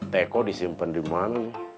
teko disimpan dimana